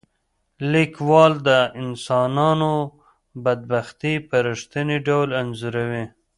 لیکوال د انسانانو بدبختي په رښتیني ډول انځوروي.